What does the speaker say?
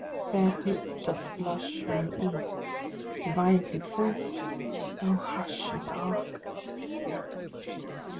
Fair hope doth flush My east. Divine success Oh, hush and hark!